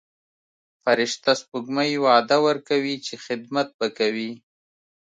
فرشته سپوږمۍ وعده ورکوي چې خدمت به کوي.